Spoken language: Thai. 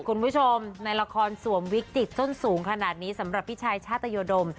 คุณผู้ชมในละครสวมวิกฤตส้นสูงขนาดนี้สำหรับพี่ชายชาตยดม